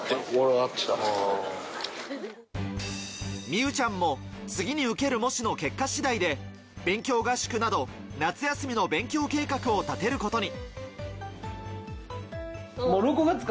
美羽ちゃんも、次に受ける模試の結果次第で、勉強合宿など、夏休みの勉強計画を立てることに。